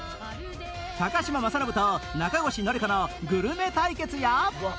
嶋政伸と中越典子のグルメ対決や